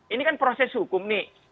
ini kan proses hukum nih